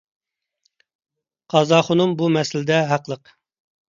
قازاخۇنۇم بۇ مەسىلىدە ھەقلىق.